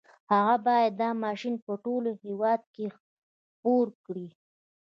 هغه بايد دا ماشين په ټول هېواد کې خپور کړي.